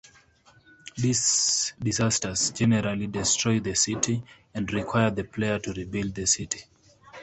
These disasters generally destroy the city and require the player to rebuild the city.